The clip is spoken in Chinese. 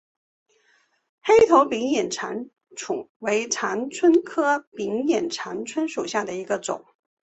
黑头柄眼长蝽为长蝽科柄眼长蝽属下的一个种。